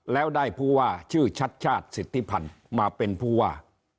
แล้วได้ผู้ว่าชื่อชัดชาติสิทธิพันธ์มาเป็นผู้ว่า